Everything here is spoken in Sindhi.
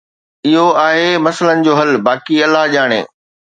اهو آهي مسئلن جو حل، باقي الله ڄاڻي.